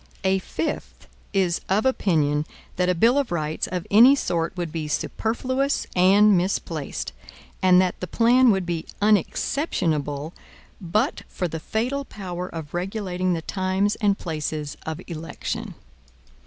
A fifth is of opinion that a bill of rights of any sort would be superfluous and misplaced, and that the plan would be unexceptionable but for the fatal power of regulating the times and places of election.